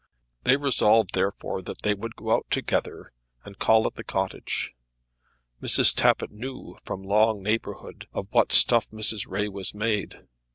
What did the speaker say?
They resolved therefore that they would go out together and call at the cottage. Mrs. Tappitt knew, from long neighbourhood, of what stuff Mrs. Ray was made.